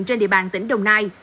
trên địa bàn tỉnh đồng nai